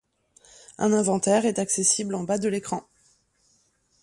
Un inventaire est accessible en bas de l'écran.